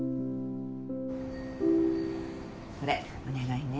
これお願いね。